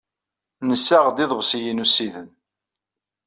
Nessaɣ-d iḍebsiyen ussiden.